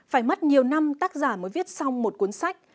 phải mất nhiều năm tác giả mới viết xong một cuốn sách